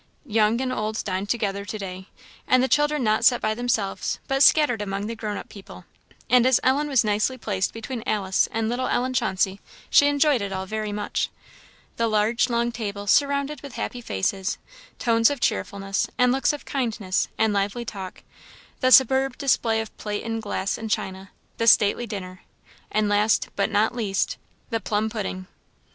Young and old dined together to day, and the children not set by themselves, but scattered among the grown up people; and as Ellen was nicely placed between Alice and little Ellen Chauncey, she enjoyed it all very much. The large long table surrounded with happy faces; tones of cheerfulness, and looks of kindness, and lively talk; the superb display of plate and glass and china; the stately dinner; and last, but not least, the plum pudding.